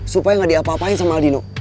supaya gak diapa apain sama aldino